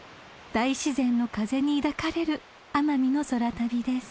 ［大自然の風に抱かれる奄美の空旅です］